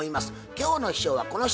今日の秘書はこの人。